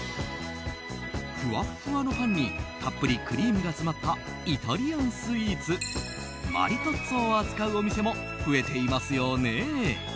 ふわっふわのパンにたっぷりクリームが詰まったイタリアンスイーツマリトッツォを扱うお店も増えていますよね。